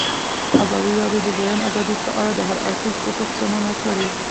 ازادي راډیو د د بیان آزادي په اړه د هر اړخیز پوښښ ژمنه کړې.